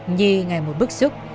nhi ngày một bức xúc